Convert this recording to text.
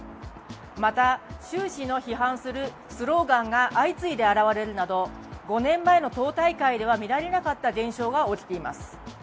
また習氏の批判するスローガンが相次いで現れるなど、５年前の党大会では見られなかった現象が起きています。